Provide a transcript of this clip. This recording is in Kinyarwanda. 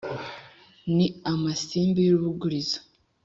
Ni amasimbi y’urubugurizo,